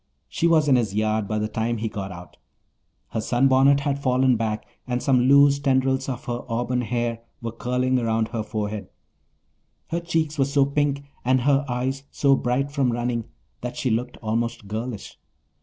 She was in his yard by the time he got out. Her sunbonnet had fallen back and some loose tendrils of her auburn hair were curling around her forehead. Her cheeks were so pink and her eyes so bright from running that she looked almost girlish.